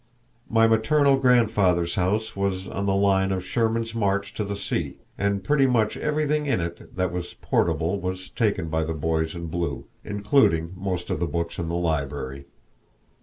My maternal grandfather's house was on the line of Sherman's march to the sea, and pretty much everything in it that was portable was taken by the boys in blue, including most of the books in the library.